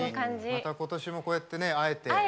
また今年もこうやってね会えて。